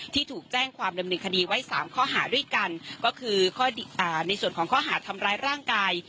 ถูกแจ้งความดำเนินคดีไว้๓ข้อหาด้วยกันก็คือข้อในส่วนของข้อหาทำร้ายร่างกาย